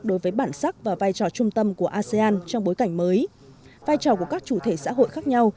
đối với bản sắc và vai trò trung tâm của asean trong bối cảnh mới vai trò của các chủ thể xã hội khác nhau